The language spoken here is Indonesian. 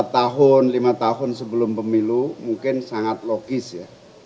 dua tahun lima tahun sebelum pemilu mungkin sangat logis ya